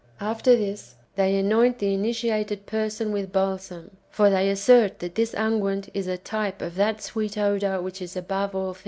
After this they anoint the initiated person with balsam ; for they assert that this unguent is a type of that sweet odour which is above all things.